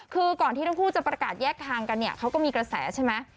คือก่อนที่ทั้งคู่จะประกาศแยกทางกันเนี่ยเขาก็มีกระแสใช่ไหม